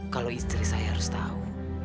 kalau istri saya harus tahu